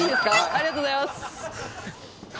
ありがとうございます！